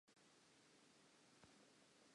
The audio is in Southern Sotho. Ka hoo ka lokela ho leka dipolane.